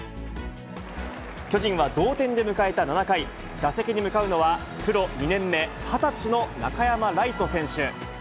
巨人は同点で迎えた７回、打席に向かうのは、プロ２年目、２０歳の中山礼都選手。